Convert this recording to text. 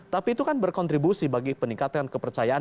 tapi itu kan berkontribusi bagi peningkatan kepercayaan